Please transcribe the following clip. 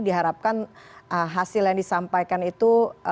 jadi diharapkan hasil yang disampaikan itu